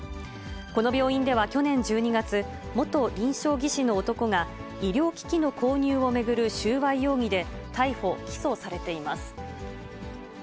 この病院では去年１２月、元臨床技師の男が、医療機器の購入を巡る収賄容疑で逮捕・起訴されています。